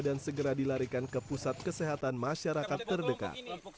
dan segera dilarikan ke pusat kesehatan masyarakat terdekat